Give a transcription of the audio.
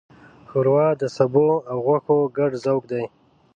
ښوروا د سبو او غوښو ګډ ذوق دی.